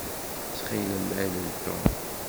Ttxil-m, alel Tom.